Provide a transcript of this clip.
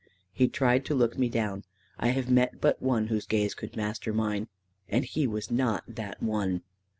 He tried to look me down. I have met but one whose gaze could master mine; and he was not that one.